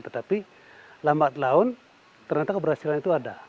tetapi lambat laun ternyata keberhasilan itu ada